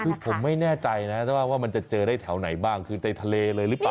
คือผมไม่แน่ใจนะว่ามันจะเจอได้แถวไหนบ้างคือในทะเลเลยหรือเปล่า